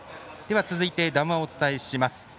では、続いて談話をお伝えします。